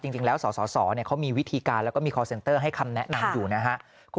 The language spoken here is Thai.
จริงแล้วสสเขามีวิธีการแล้วก็มีคอร์เซ็นเตอร์ให้คำแนะนำอยู่นะครับ